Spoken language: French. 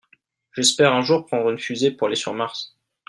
J'espère un jour prendre une fusée pour aller sur Mars.